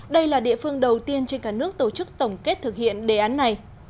đây là địa phương đầu tiên trên cả nước tổ chức tổng kết thực hiện đề án này